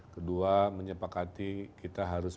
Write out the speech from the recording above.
kedua menyepakati kita harus